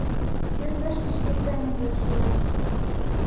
Кӧ тыште шке семынже ыштылеш?